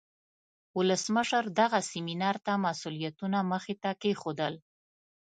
ولسمشر دغه سیمینار ته مسئولیتونه مخې ته کیښودل.